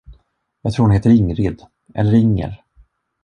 Jag tror hon heter Ingrid... eller Inger?